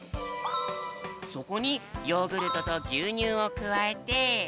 そこにヨーグルトとぎゅうにゅうをくわえて。